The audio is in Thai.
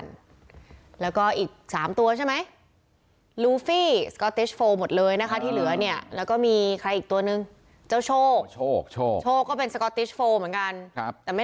นี่นี่นี่นี่นี่นี่นี่นี่นี่นี่นี่นี่นี่นี่นี่